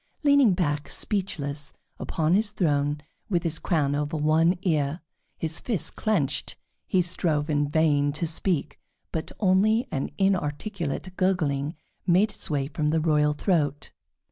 Leaning back, speechless, upon his throne, with his crown over one ear, his fists clenched, he strove in vain to speak, but only an inarticulate gurgling made its way from the royal throat.